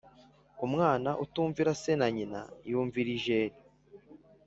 Umwana utumvira se na nyina yumvira ijeri.